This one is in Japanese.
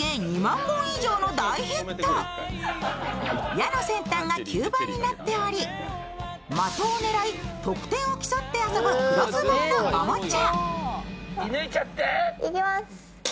矢の先端が吸盤になっており的を狙い得点を競って遊ぶクロスボウのおもちゃ。